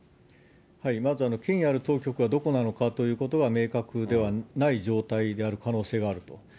まず権威ある当局がどこなのかということが明確ではない状態である可能性があると。